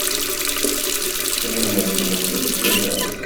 Tettbineḍ-d meẓẓiyeḍ fell-as.